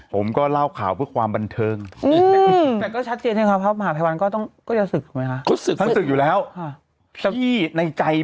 ผมก็เล่าข่าวเพื่อความบันเทิงแต่ก็ชัดเจนใช่ไหมครับพระมหาภัยวันก็จะสึกไหมคะ